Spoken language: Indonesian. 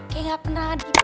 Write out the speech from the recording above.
kayak gak pernah di pukul